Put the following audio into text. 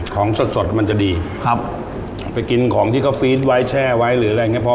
ของสดสดมันจะดีครับไปกินของที่เขาฟีดไว้แช่ไว้หรืออะไรอย่างเงี้พอ